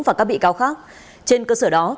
và các bị cáo khác trên cơ sở đó